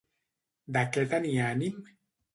De què tenia ànim?